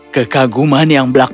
kekaguman yang berlaku